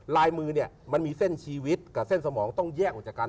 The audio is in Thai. ลายมือเนี่ยมันมีเส้นชีวิตกับเส้นสมองต้องแยกออกจากกัน